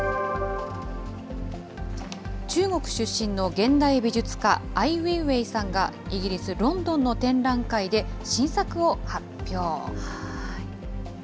中国出身の現代美術家、アイ・ウェイウェイさんが、イギリス・ロンドンの展覧会で新作を発表。